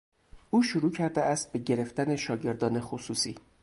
او شروع کرده است به گرفتن شاگردان خصوصی.